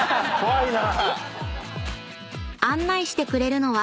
［案内してくれるのは］